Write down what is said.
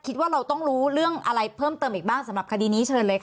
คิดว่าเราต้องรู้เรื่องอะไรเพิ่มเติมอีกบ้างสำหรับคดีนี้เชิญเลยค่ะ